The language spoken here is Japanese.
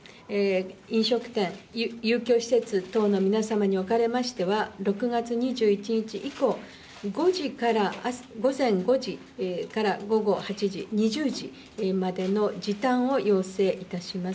飲食店、遊興施設等の皆様におかれましては、６月２１日以降、午前５時から午後８時、２０時までの時短を要請いたします。